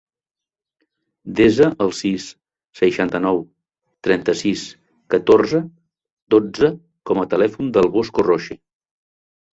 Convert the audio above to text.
Desa el sis, seixanta-nou, trenta-sis, catorze, dotze com a telèfon del Bosco Roche.